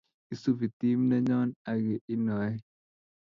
isupi team nenyoo haki inoe